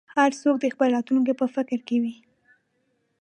هر څوک د خپلې راتلونکې په فکر کې وي.